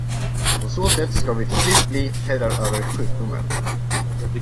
På så sätt ska vi till sist bli herrar över sjukdomen.